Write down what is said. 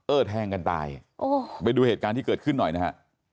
แทงกันตายไปดูเหตุการณ์ที่เกิดขึ้นหน่อยนะฮะ